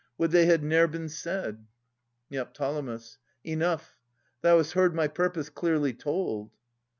Would they had ne'er been said ! Neo. Enough. Thou hast heard my purpose clearly told.